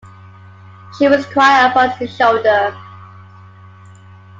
She was crying upon his shoulder.